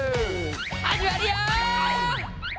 始まるよ！